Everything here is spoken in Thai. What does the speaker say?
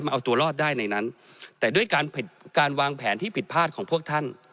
เอาตัวรอดได้ในนั้นแต่ด้วยการผิดการวางแผนที่ผิดพลาดของพวกท่าน